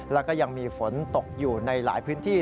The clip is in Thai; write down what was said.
แล้วก็ยังมีฝนตกอยู่ในหลายพื้นที่